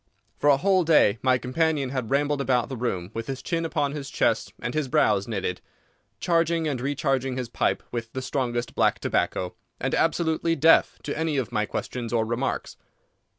For a whole day my companion had rambled about the room with his chin upon his chest and his brows knitted, charging and recharging his pipe with the strongest black tobacco, and absolutely deaf to any of my questions or remarks.